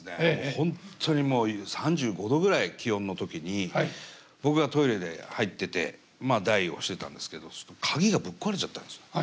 本当にもう３５度ぐらい気温の時に僕がトイレで入っててまあ大をしてたんですけど鍵がぶっ壊れちゃったんですよ。